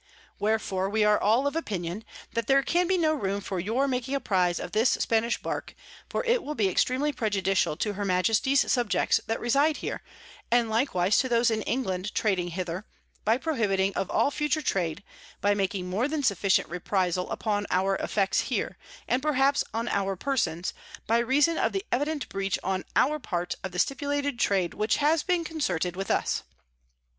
Wherefore we are all of Opinion, that there can be no room for your making a Prize of this Spanish Bark; for it will be extremely prejudicial to her Majesty's Subjects that reside here, and likewise to those in England trading hither, by prohibiting of all future Trade, by making more than sufficient Reprisal upon our Effects here, and perhaps on our Persons, by reason of the evident Breach on our part of the stipulated Trade which has been concerted with us.